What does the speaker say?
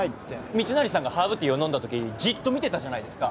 密成さんがハーブティーを飲んだときじっと見てたじゃないですか。